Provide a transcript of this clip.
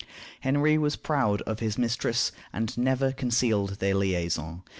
Henry was proud of his mistress, and never concealed their liaison.